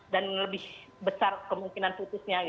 lebih besar kemungkinan putusnya